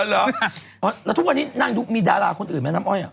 แล้วทุกวันนี้นางดูมีดาราคนอื่นไหมน้ำอ้อย